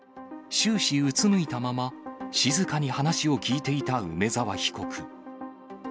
終始うつむいたまま、静かに話を聞いていた梅沢被告。